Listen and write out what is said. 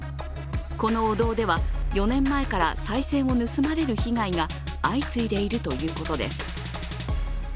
このお堂では、４年前からさい銭を盗まれる被害が相次いでいるということです。